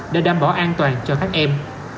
để đảm bảo an toàn cho các em